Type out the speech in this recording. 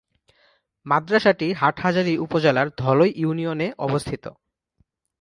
মাদ্রাসাটি হাটহাজারী উপজেলার ধলই ইউনিয়নে অবস্থিত।